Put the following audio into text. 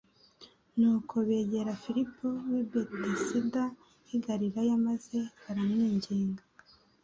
Nuko begera Filipo w’i Betesida h'i Galilaya maze baramwinginga